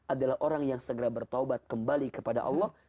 adalah orang yang segera bertobat kembali ke perintahnya